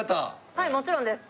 はいもちろんです！